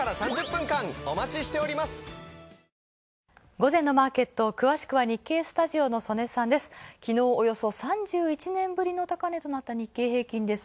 午前のマーケット、詳しくは日経スタジオの曽根さんです。